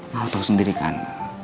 mbak tau sendiri kan